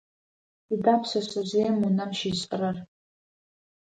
Сыда пшъэшъэжъыем унэм щишӏэрэр?